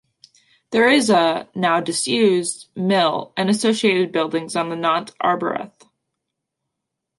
There is a, now disused, mill and associated buildings on the Nant Arberth.